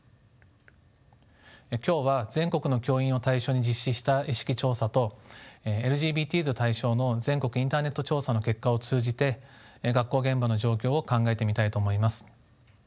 今日は全国の教員を対象に実施した意識調査とＬＧＢＴｓ対象の全国インターネット調査の結果を通じて学校現場の状況を考えてみたいと思います。